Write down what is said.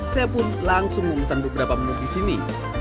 saya pun langsung memesan beberapa menu di sini